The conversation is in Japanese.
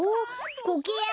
コケヤン